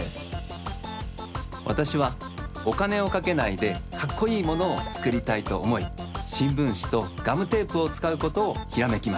わたしはおかねをかけないでかっこいいものをつくりたいとおもいしんぶんしとガムテープをつかうことをひらめきました。